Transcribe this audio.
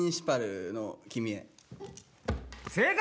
正解！